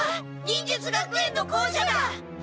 忍術学園の校舎だ！